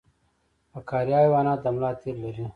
فقاریه حیوانات د ملا تیر لري